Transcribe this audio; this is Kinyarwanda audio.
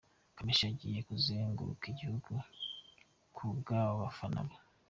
Kamichi agiye kuzenguruka igihugu ku bw’abafana be